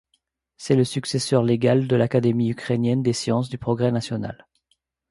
C'est le successeur légal de l'Académie ukrainienne des sciences du progrès national.